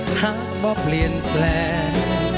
หักป๊อปเรียนแฟลน